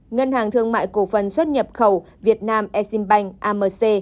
ngân hàng thương mại cổ phần xuất nhập khẩu việt nam exim bank amc